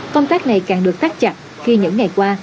công tác này càng được tắt chặt khi những ngày qua